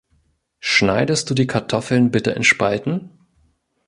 Schneidest du die Kartoffeln bitte in Spalten?